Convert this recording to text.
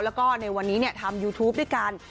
แล้วก็ในวันนี้ทำยูทูปด้วยกัน